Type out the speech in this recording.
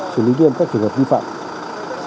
xử lý nghiêm các trường hợp vi phạm